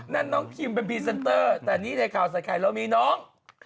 นั่นน้องคิมเป็นพรีเซนเตอร์แต่นี่ในข่าวใส่ไข่เรามีน้อง